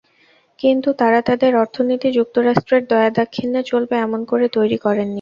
কিন্তু তাঁরা তাদের অর্থনীতি যুক্তরাষ্ট্রের দয়া দাক্ষিণ্যে চলবে এমন করে তৈরি করেননি।